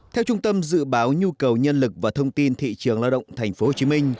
theo trung tâm dự báo nhu cầu nhân lực và thông tin thị trường lao động tp hcm